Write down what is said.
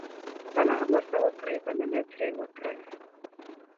سلام ورته وکړئ، مننه ترې وکړئ.